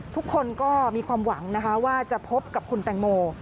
ทุกคนก็มีความหวังนะคะว่าจะพบกับคุณแตงโม